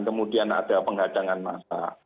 kemudian ada pengadangan massa